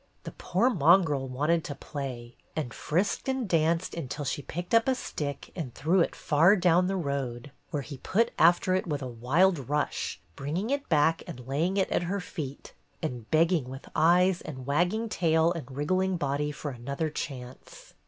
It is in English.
The poor mongrel wanted to play, and frisked and danced until she picked up a stick and threw it far down the road, where he put after it with a wild rush, bringing it back and laying it at her feet, and begging with eyes and wagging tail and wriggling body for another chance.